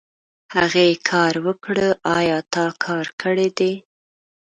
هغې کار وکړو ايا تا کار کړی دی ؟